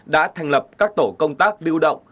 đã thành lập các tổ công tác lưu động